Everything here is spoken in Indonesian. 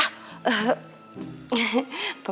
eh eh papa